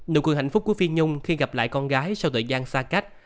nụ cười hạnh phúc của phiên nhung khi gặp lại con gái sau thời gian xa cách